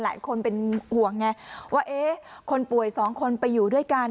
หลายคนเป็นห่วงไงว่าเอ๊ะคนป่วยสองคนไปอยู่ด้วยกัน